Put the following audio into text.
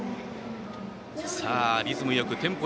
さあリズムよく、テンポ